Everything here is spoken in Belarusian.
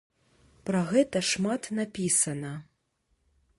Пра гэта шмат напісана.